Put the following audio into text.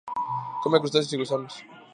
Come crustáceos y gusanos.